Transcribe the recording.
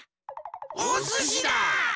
おすしだ！